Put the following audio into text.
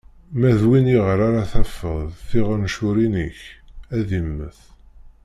Ma d win iɣer ara tafeḍ tiɛencuṛin-ik, ad immet!